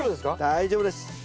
大丈夫です。